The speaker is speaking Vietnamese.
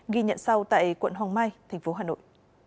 ghi nhận sau tại quận hoàng mai tp hà nội